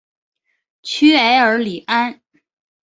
屈埃尔里安。